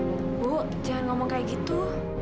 ibu jangan ngomong kayak gitu